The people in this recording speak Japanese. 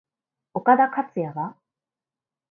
岡田克也は？